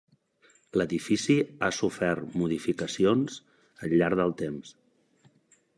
L'edifici ha sofert modificacions al llarg del temps.